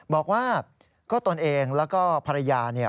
บอกว่าก็ตนเองแล้วก็ภรรยา